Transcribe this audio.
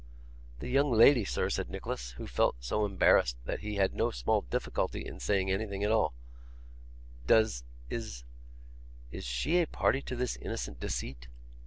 'The young lady, sir,' said Nicholas, who felt so embarrassed that he had no small difficulty in saying anything at all 'Does is is she a party to this innocent deceit?